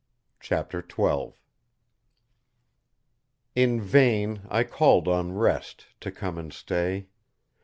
CHAPTER XII "In vain I called on Rest to come and stay.